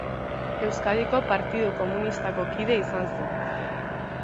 Euskadiko Partidu Komunistako kide izan zen.